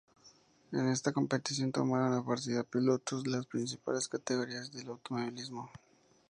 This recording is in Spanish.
En esta competición tomaron la partida pilotos de las principales categorías del automovilismo.